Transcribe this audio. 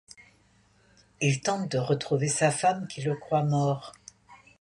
Il tente de retrouver sa femme qui le croit mort.